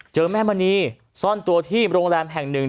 แม่มณีซ่อนตัวที่โรงแรมแห่งหนึ่ง